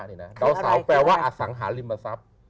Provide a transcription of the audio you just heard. ดาวเสาแปลว่าอสังหาริมทรัพย์